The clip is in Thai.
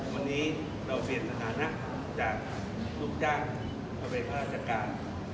วันนี้เราเปลี่ยนสถานะจากลูกจ้างพระเบียงพระราชการ